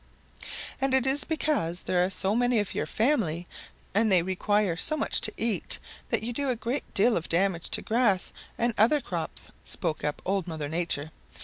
"And it is because there are so many of your family and they require so much to eat that you do a great deal of damage to grass and other crops," spoke up Old Mother Nature.